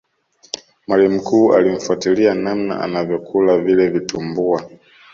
mwalimu mkuu alimfuatilia namna anavyokula vile vitumbua